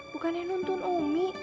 bukannya nuntun umi